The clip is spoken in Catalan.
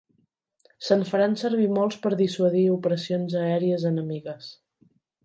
Se'n faran servir molts per dissuadir operacions aèries enemigues.